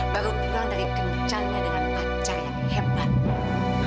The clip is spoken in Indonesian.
baru pulang dari kencangnya dengan panca yang hebat